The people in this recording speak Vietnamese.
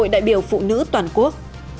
đại biểu phụ nữ toàn quốc